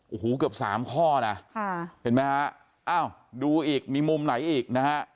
โอ้โหเกือบสามข้อนะเห็นไหมฮะอ้าวดูอีกมีมุมไหนอีกนะฮะ